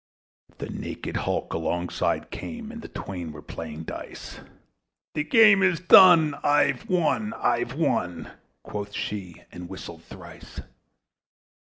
The naked hulk alongside came, And the twain were casting dice; "The game is done! I've won! I've won!" Quoth she, and whistles thrice.